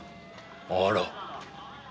あら。